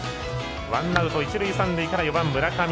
ワンアウト、一塁三塁から４番、村上。